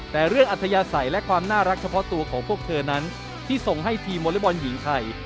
แต่เรื่องอัธยาศัยและความน่ารักเฉพาะตัวของพวกเธอนั้นที่ส่งให้ทีมวอเล็กบอลหญิงไทย